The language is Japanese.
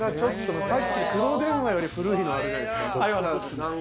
黒電話より古いものがあるじゃないですか。